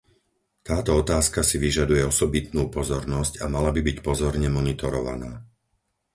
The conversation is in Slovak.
Táto otázka si vyžaduje osobitnú pozornosť a mala by byť pozorne monitorovaná.